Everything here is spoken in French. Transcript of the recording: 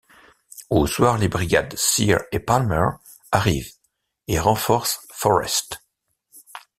Au soir, les brigades Sear et Palmer arrivent et renforcent Forrest.